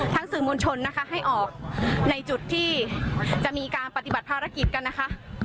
สื่อมวลชนนะคะให้ออกในจุดที่จะมีการปฏิบัติภารกิจกันนะคะ